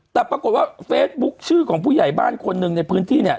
แต่ปรากฏว่าเฟซบุ๊คชื่อของผู้ใหญ่บ้านคนหนึ่งในพื้นที่เนี่ย